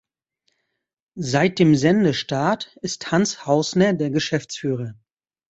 Seit dem Sendestart ist Hans Hausner der Geschäftsführer.